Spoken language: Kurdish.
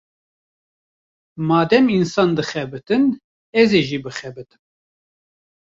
Madem însan dixebitin, ez ê jî bixebitim.